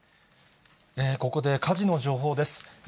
ここで火事の情報です。